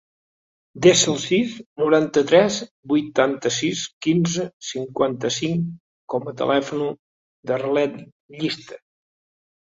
Desa el sis, noranta-tres, vuitanta-sis, quinze, cinquanta-cinc com a telèfon de l'Arlet Lista.